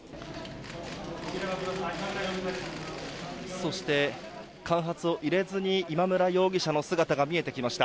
そして、間髪を入れずに今村容疑者の姿が見えてきました。